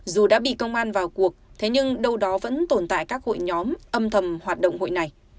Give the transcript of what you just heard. dù đã bị công an vào cuộc thế nhưng đâu đó vẫn tồn tại các hội nhóm âm thầm hoạt động hội này